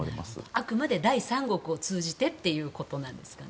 あくまで第三国を通じてということなんですかね。